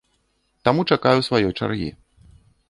Таму чакаю сваёй чаргі.